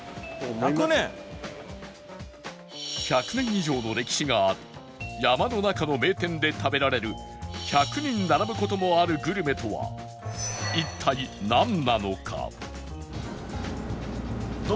１００年以上の歴史がある山の中の名店で食べられる１００人並ぶ事もあるグルメとは一体なんなのか？